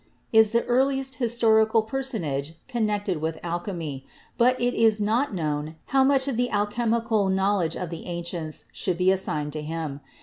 is the earliest historical per sonage connected with alchemy, but it is not known how much of the alchemical knowledge of the ancients should be assigned to him.